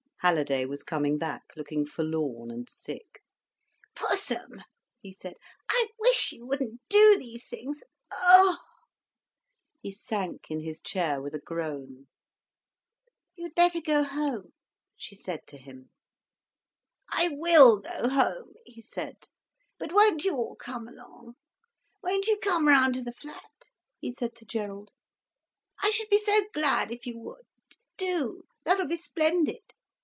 Halliday was coming back, looking forlorn and sick. "Pussum," he said, "I wish you wouldn't do these things—Oh!" He sank in his chair with a groan. "You'd better go home," she said to him. "I will go home," he said. "But won't you all come along. Won't you come round to the flat?" he said to Gerald. "I should be so glad if you would. Do—that'll be splendid.